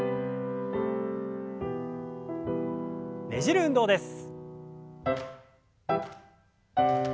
ねじる運動です。